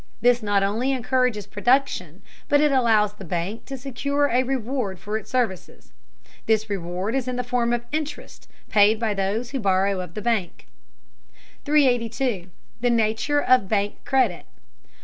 This not only encourages production, but it allows the bank to secure a reward for its services. This reward is in the form of interest paid by those who borrow of the bank. 382. THE NATURE OF BANK CREDIT.